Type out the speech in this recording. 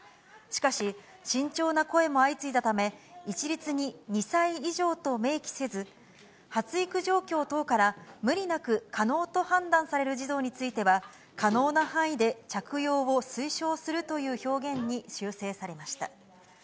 しかし、慎重な声も相次いだため、一律に２歳以上と明記せず、発育状況等から、無理なく可能と判断される児童については、可能な範囲で着用を推奨するという表現に修正されました。